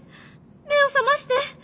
目を覚まして。